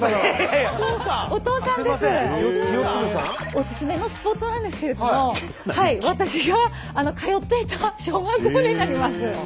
おすすめのスポットなんですけれども私が通っていた小学校になります。